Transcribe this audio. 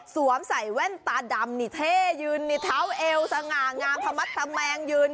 สวมใส่แว่นตาดำนี่เท่ยืนนี่เท้าเอวสง่างามทะมัดทะแมงยืน